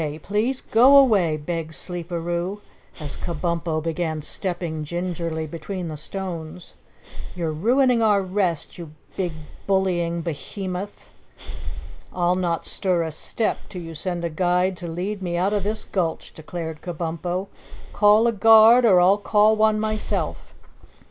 Please go away!" begged Sleeperoo, as Kabumpo began stepping gingerly between the stones. "You're ruining our rest, you big bullying Behemoth!" "I'll not stir a step till you send a guide to lead me out of this gulch," declared Kabumpo. "Call a guard or I'll call one myself."